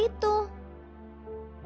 dia jahat sekali